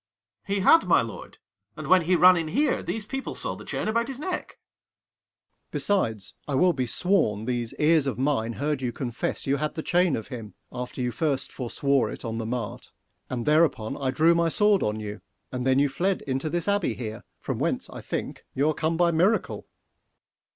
Ang. He had, my lord: and when he ran in here, These people saw the chain about his neck. Sec. Mer. Besides, I will be sworn these ears of mine Heard you confess you had the chain of him, 260 After you first forswore it on the mart: And thereupon I drew my sword on you; And then you fled into this abbey here, From whence, I think, you are come by miracle. _Ant. E.